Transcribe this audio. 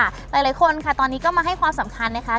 หลายคนค่ะตอนนี้ก็มาให้ความสำคัญนะคะ